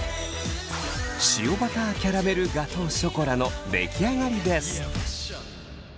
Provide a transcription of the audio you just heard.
塩バターキャラメルガトーショコラの出来上がりです。